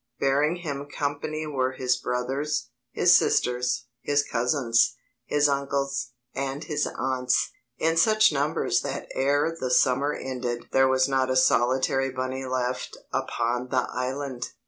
Bearing him company were his brothers, his sisters, his cousins, his uncles, and his aunts, in such numbers that ere the summer ended there was not a solitary bunny left upon the island!